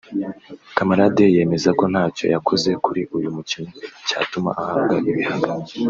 Camarade yemeza ko ntacyo yakoze kuri uyu mukino cyatuma ahabwa ibihano